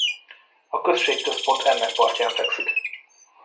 A községközpont ennek partján fekszik.